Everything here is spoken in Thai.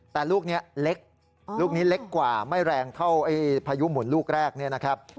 แต่ลูกนี้เล็กลูกนี้เล็กกว่าไม่แรงเท่าไอ้พายุหมุนลูกแรกเนี่ยนะครับ